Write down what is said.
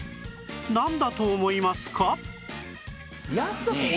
なんだと思いますか？